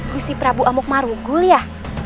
gusi prabu amuk marugul ya